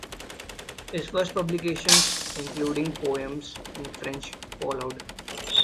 His first publications, including poems in French followed.